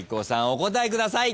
お答えください。